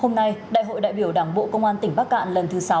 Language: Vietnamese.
hôm nay đại hội đại biểu đảng bộ công an tỉnh bắc cạn lần thứ sáu